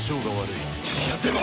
いやでも。